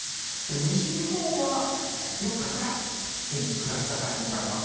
西日本は４日から天気、下り坂に向かいます。